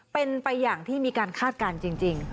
เป็นไปอย่างที่มีการคาดการณ์จริง